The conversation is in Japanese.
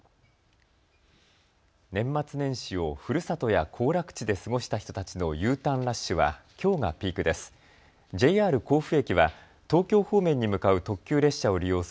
年末年始をふるさとや行楽地で過ごした人たちのＵターンラッシュはきょうがピークです。